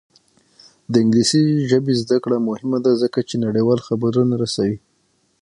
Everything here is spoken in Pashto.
د انګلیسي ژبې زده کړه مهمه ده ځکه چې نړیوال خبرونه رسوي.